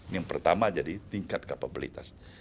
yang pertama jadi tingkat kapabilitas